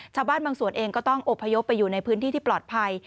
ชาวบ้านบางส่วนเองก็ต้องอบพยพไปอยู่ในพื้นที่ที่ปลอดภัย